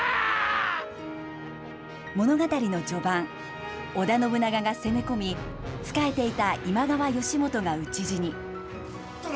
物語の序盤、織田信長が攻め込み、仕えていた今川義元が討ち死に。